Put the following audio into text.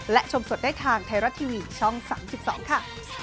และชมสดได้ทางไทยรัฐทีวีช่อง๓๒ค่ะ